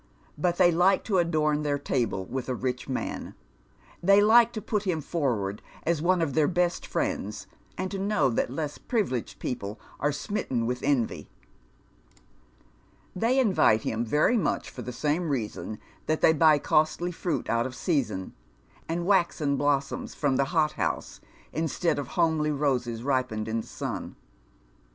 But they Mke to adorn their table with a rich man. They like to put him forward as one of their best friends, and to know that less privileged people are smitten with envy. They invite him veiy inuch for the same reason that they buy costly fruit out of pcason, and waxen blossoms from the hothouse instead of homely ruses ripened in the sun.